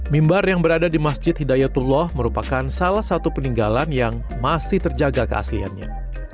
mimbar yang berada di masjid hidayatullah merupakan salah satu peninggalan yang masih terjaga keasliannya